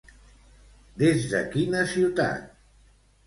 Des de quina ciutat?